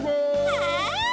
はい！